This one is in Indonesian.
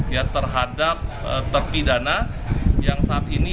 ya terhadap terpidana yang saat ini